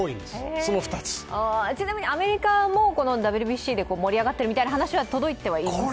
ちなみにアメリカもＷＢＣで盛り上がっているみたいな話は届いていますか？